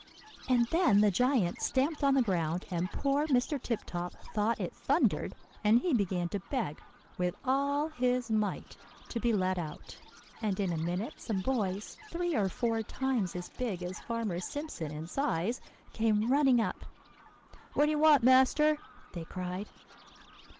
"And then the giant stamped on the ground, and poor Mr. Tip Top thought it thundered, and he began to beg with all his might to be let out. And in a minute some boys, three or four times as big as Farmer Simpson in size, came running up. 'What do you want, master?' they cried.